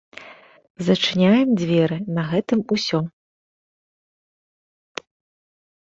Зачыняем дзверы, на гэтым усё.